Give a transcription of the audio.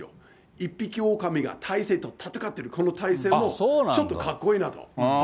一匹狼が大勢と戦っている、このたいせいもちょっとかっこいいなと。